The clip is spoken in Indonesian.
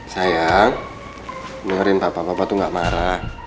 sayang dengerin papa papa tuh gak marah